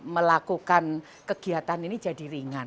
melakukan kegiatan ini jadi ringan